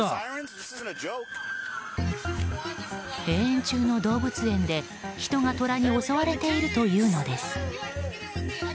閉園中の動物園で、人がトラに襲われているというのです。